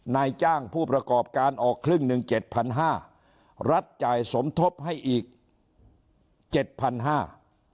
นายจ้างผู้ประกอบการออกครึ่ง๑๗๐๐บาทรัฐจ่ายสมทบให้อีก๗๕๐๐บาท